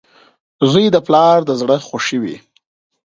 • زوی د پلار د زړۀ خوښي وي.